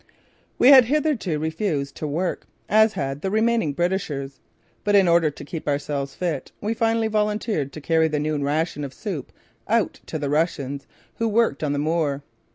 We had hitherto refused to work, as had the remaining Britishers, but in order to keep ourselves fit; we finally volunteered to carry the noon ration of soup out to the Russians who worked on the moor.